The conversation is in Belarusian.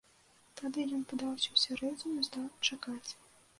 Тады ён падаўся ў сярэдзіну і стаў чакаць.